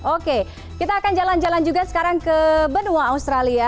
oke kita akan jalan jalan juga sekarang ke benua australia